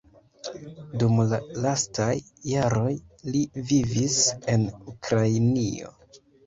Dum la lastaj jaroj li vivis en Ukrainio.